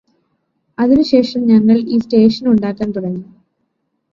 അതിനു ശേഷം ഞങ്ങൾ ഈ സ്റ്റേഷൻ ഉണ്ടാക്കാൻ തുടങ്ങി